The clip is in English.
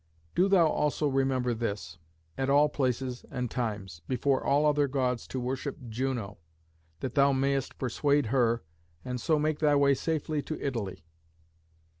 Do thou also remember this, at all places and times, before all other Gods to worship Juno, that thou mayest persuade her, and so make thy way safely to Italy.